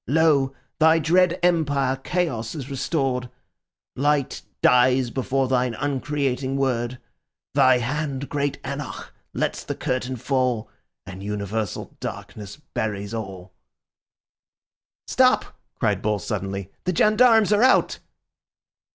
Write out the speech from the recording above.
Lo! thy dread Empire, Chaos, is restored; Light dies before thine uncreating word: Thy hand, great Anarch, lets the curtain fall; And universal darkness buries all.'" "Stop!" cried Bull suddenly, "the gendarmes are out."